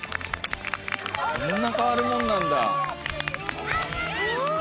こんな変わるもんなんだ。